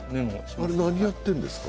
何やってるんですか？